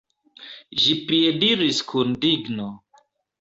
Ĝi piediris kun digno.